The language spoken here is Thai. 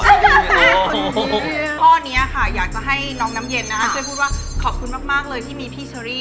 ข้อนี้ค่ะอยากจะให้น้องน้ำเย็นนะคะช่วยพูดว่าขอบคุณมากเลยที่มีพี่เชอรี่